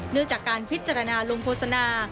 เรื่องจากการพิจารณาลงโฆษณา